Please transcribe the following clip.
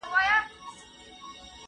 که مینه وي نو دښمني نه وي.